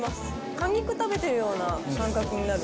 果肉食べてるような感覚になる。